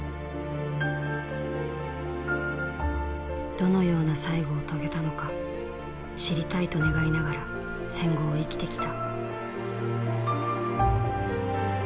どのような最期を遂げたのか知りたいと願いながら戦後を生きてきた。